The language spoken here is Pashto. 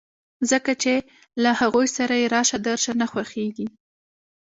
ځکه چې له هغوی سره یې راشه درشه نه خوښېږي